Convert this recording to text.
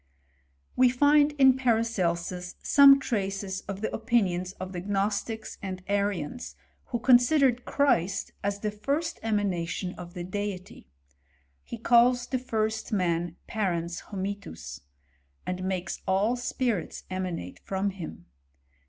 154 BISTOET OF CHZMX8TET. We find in Paracelsus some traces of the Opinions of the Gnostics and Arians, who considered Christ as the first emanation of the Deity. He calls the first man parens hominis; and makes all spirits emanate from him.